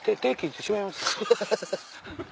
アハハハ。